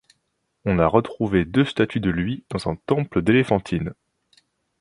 On a retrouvé deux statues de lui dans un temple d'Éléphantine.